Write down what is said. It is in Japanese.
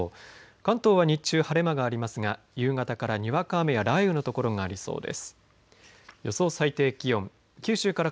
関東は日中晴れ間がありますが夕方からにわか雨や雷雨のところがありそうです。